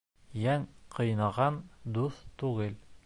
Йән ҡыйнаған дуҫ түгел.